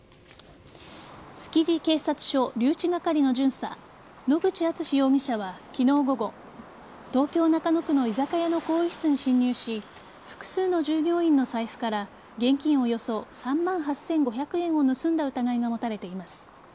築地警察署留置係の巡査野口敦史容疑者は昨日午後東京・中野区の居酒屋の更衣室に侵入し複数の従業員の財布から現金およそ３万８５００円を盗んだ疑いが持たれています。